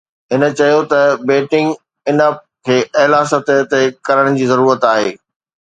هن چيو ته بيٽنگ ان اپ کي اعليٰ سطح تي ڪرڻ جي ضرورت آهي